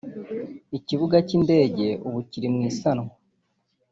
Ikibuga cy’indege ubu kiri mu isanwa